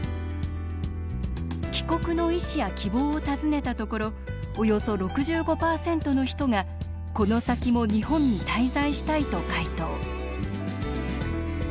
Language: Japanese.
帰国の意思や希望を尋ねたところおよそ６５％の人が、この先も「日本に滞在したい」と回答。